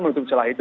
untuk celah itu